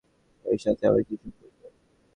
এর সাথে আমার কী সম্পর্ক?